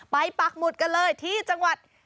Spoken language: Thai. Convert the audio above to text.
ปากหมุดกันเลยที่จังหวัด